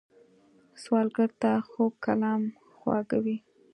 سوالګر ته خوږ کلام خواږه وي